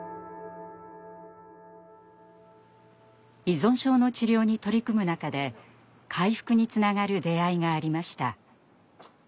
依存症の治療に取り組む中で回復につながる出会いがありました。